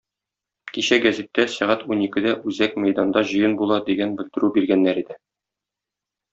Кичә гәзиттә «сәгать уникедә үзәк мәйданда җыен була» дигән белдерү биргәннәр иде.